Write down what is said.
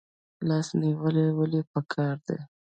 لاس نیوی ولې پکار دی؟